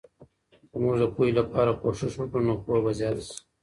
که موږ د پوهې لپاره یې کوښښ وکړو، نو پوهه به زیاته سي.